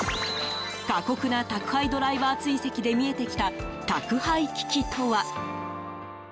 過酷な宅配ドライバー追跡で見えてきた、宅配危機とは？